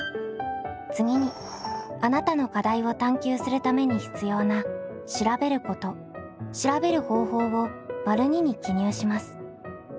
次にあなたの課題を探究するために必要な「調べること」「調べる方法」を②に記入します。